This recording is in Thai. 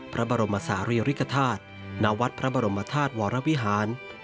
พระบรมศาลีริกฐาตุณวัดพระบรมธาตุวรวิหาร